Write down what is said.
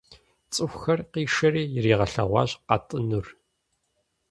ЦӀыхухэр къишэри яригъэлъэгъуащ къатӀынур.